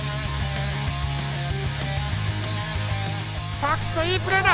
パークスのいいプレーだ。